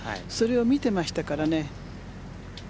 それを見ていましたから。